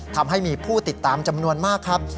ทำให้มีผู้ติดตามจำนวนมากครับ